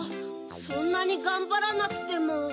そんなにがんばらなくても。